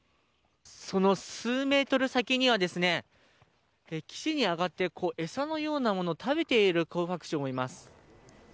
その数メートル先には岸に上がって、餌のようなものを食べているコブハクチョウ。